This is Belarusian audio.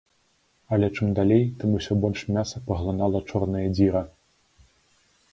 Але чым далей, тым усё больш мяса паглынала чорная дзіра.